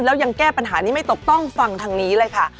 แล้วยังแก้ปัญหานี้ไม่ตกต้องฟังทางนี้เลยค่ะ